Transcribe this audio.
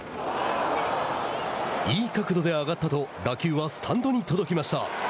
いい角度で上がったと打球はスタンドに届きました。